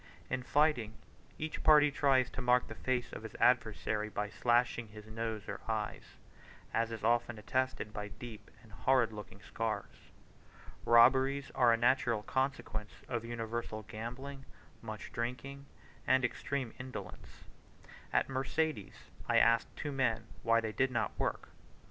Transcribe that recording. In fighting, each party tries to mark the face of his adversary by slashing his nose or eyes; as is often attested by deep and horrid looking scars. Robberies are a natural consequence of universal gambling, much drinking, and extreme indolence. At Mercedes I asked two men why they did not work.